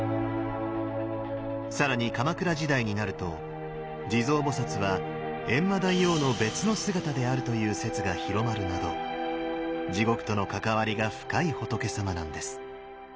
更に鎌倉時代になると地蔵菩は閻魔大王の別の姿であるという説が広まるなど地獄との関わりが深い仏さまなんです。